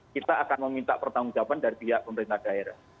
kita akan meminta pertanggung jawaban dari pihak pemerintah daerah